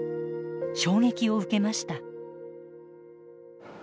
衝撃を受けました。